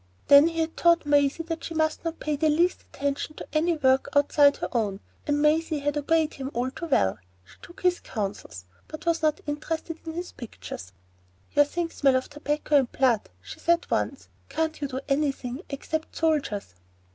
Then he had taught Maisie that she must not pay the least attention to any work outside her own, and Maisie had obeyed him all too well. She took his counsels, but was not interested in his pictures. "Your things smell of tobacco and blood," she said once. "Can't you do anything except soldiers?"